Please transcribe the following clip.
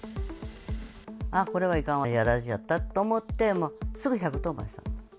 あっ、これはいかん、やられちゃったと思って、すぐ１１０番した。